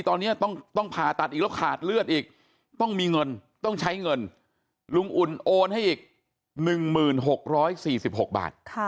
ตอนนี้ต้องผ่าตัดอีกแล้วขาดเลือดอีกต้องมีเงินต้องใช้เงินลุงอุ่นโอนให้อีก๑๖๔๖บาท